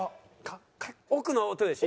奥の音でしょ？